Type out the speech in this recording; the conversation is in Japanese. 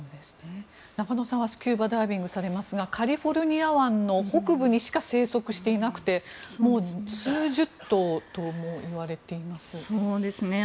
中野さんはスキューバーダイビングしますがカリフォルニア湾の北部にしか生息していなくて数十頭ともいわれています。